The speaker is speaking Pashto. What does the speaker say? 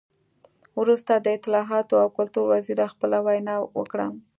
وروسته د اطلاعاتو او کلتور وزیر خپله وینا وکړه.